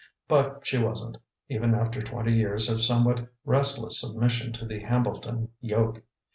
But she wasn't, even after twenty years of somewhat restless submission to the Hambleton yoke.